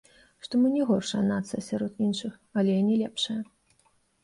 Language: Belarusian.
Што мы не горшая нацыя сярод іншых, але і не лепшая.